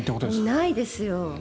ないですよ。